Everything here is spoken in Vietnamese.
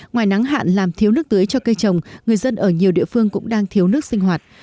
ngoài nắng hạn làm thiếu nước tưới cho cây trồng người dân ở nhiều địa phương cũng đang thiếu nước sinh hoạt